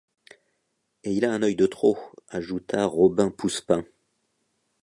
Et il a un œil de trop, ajouta Robin Poussepain.